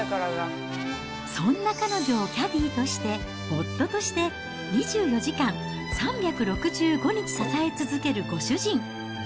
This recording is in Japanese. そんな彼女を、キャディとして、夫として２４時間３６５日支え続けるご主人。